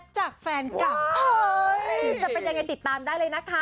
จะเป็นอย่างไรติดตามได้เลยนะคะ